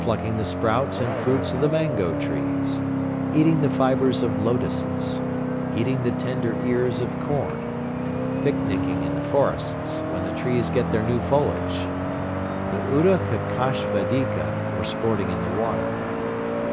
Plucking the sprouts and fruits of the mangoe trees. Eating the fibres of lotuses. Eating the tender ears of corn. Picnicing in the forests when the trees get their new foliage. The Udakakashvedika or sporting in the water.